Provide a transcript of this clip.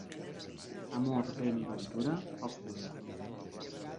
Amor, vent i ventura, poc dura.